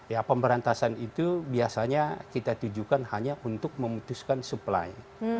ya pemberantasan itu biasanya kita tujukan hanya untuk memutuskan supply